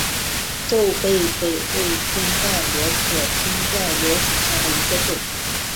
皱杯贝为偏盖螺科偏盖螺属下的一个种。